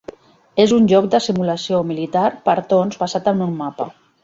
És un joc de simulació militar per torns basat en un mapa.